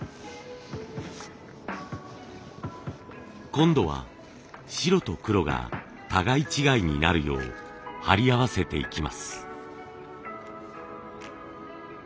今度は白と黒が互い違いになるよう貼り合わせていきます。